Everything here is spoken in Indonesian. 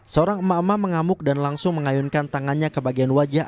seorang emak emak mengamuk dan langsung mengayunkan tangannya ke bagian wajah